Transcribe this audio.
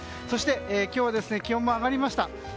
そして今日は気温も上がりました。